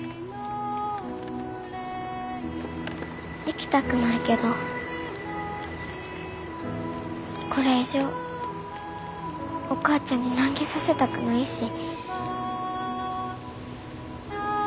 行きたくないけどこれ以上お母ちゃんに難儀させたくないし。